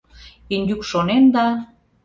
— Индюк шонен да...